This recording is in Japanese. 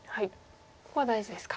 ここは大事ですか。